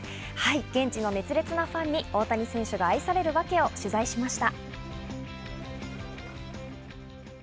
現地の熱烈なファンに大谷選手が愛されるワケを取材しました。